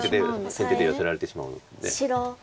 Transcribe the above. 先手でヨセられてしまうんで。